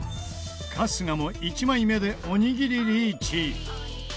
春日も１枚目でおにぎりリーチ。